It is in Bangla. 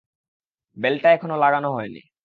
বেলটা এখনো লাগানো হয় নি।